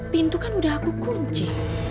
pintu kan udah aku kunci